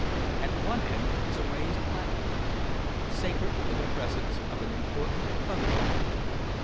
At one end is a raised platform, sacred to the presence of an important functionary.